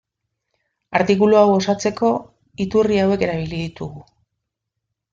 Artikulu hau osatzeko, iturri hauek erabili ditugu.